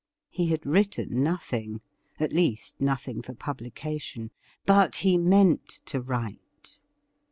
He had written nothing — at least, nothing for publication — ^but he meant to write.